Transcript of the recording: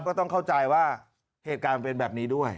ก็ต้องเข้าใจว่าเหตุการณ์มันเป็นแบบนี้ด้วย